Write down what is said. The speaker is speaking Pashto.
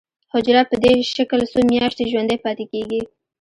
حجره په دې شکل څو میاشتې ژوندی پاتې کیږي.